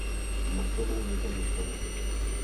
Masovou nezaměstnanost!